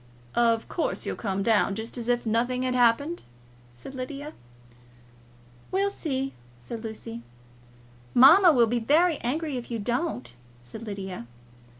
"Of course, you'll come down, just as if nothing had happened," said Lydia. "We'll see," said Lucy. "Mamma will be very angry if you don't," said Lydia.